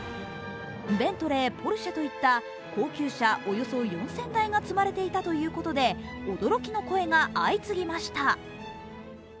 ベントレー、ポルシェといった高級車およそ４０００台が積まれていたということで驚きの声が相次ぎました。